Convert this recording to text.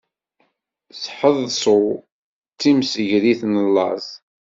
Sḥeḍṣu, d timsegrit n laẓ.